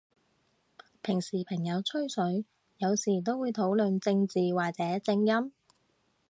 平時朋友吹水，有時都會討論正字或者正音？